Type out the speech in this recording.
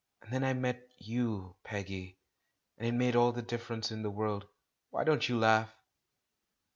And then I met you, Peggy — and it made all the difference in the world. Why don't you laugh?"